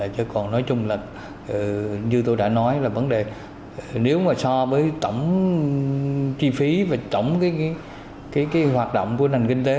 chứ còn nói chung là như tôi đã nói là vấn đề nếu mà so với tổng chi phí và tổng hoạt động của nền kinh tế